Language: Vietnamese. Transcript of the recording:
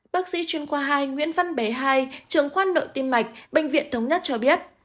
bác sĩ chuyên qua hai nguyễn văn bé hai trưởng khoan nội tiêm mạch bệnh viện thống nhất cho biết